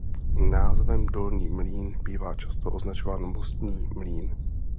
Názvem Dolní mlýn bývá často označován Mostní mlýn.